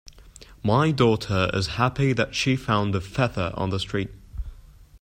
My daughter is happy that she found a feather on the street.